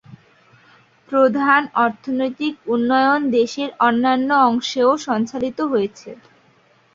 প্রধান অর্থনৈতিক উন্নয়ন দেশের অন্যান্য অংশেও সঞ্চালিত হয়েছে।